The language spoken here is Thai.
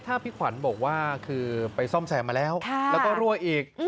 ถ้าพี่ขวัญบอกว่าคือไปซ่อมแซมมาแล้วแล้วก็รั่วอีก